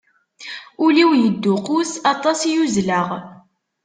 Ul-iw yedduqus, aṭas i uzzleɣ.